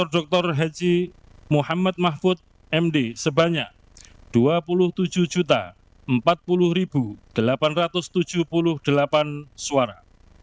dr haji muhammad mahfud md sebanyak dua puluh tujuh empat puluh delapan ratus tujuh puluh delapan suara